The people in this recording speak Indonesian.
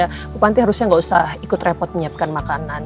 ibu panti harusnya nggak usah ikut repot menyiapkan makanan